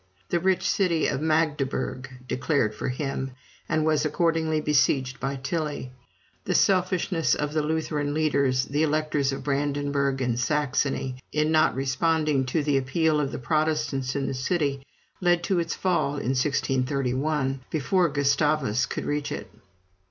The rich city of Magdeburg declared for him, and was accordingly besieged by Tilly. The selfishness of the Lutheran leaders, the Electors of Brandenburg and Saxony, in not responding to the appeal of the Protestants in the city, led to its fall in 1631, before Gustavus could reach it.